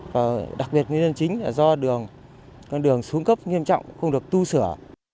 và đặc biệt nguyên nhân chính là do đường xuống cấp nghiêm trọng không được tu sửa